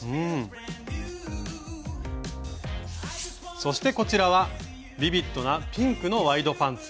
そしてこちらはビビッドなピンクのワイドパンツ。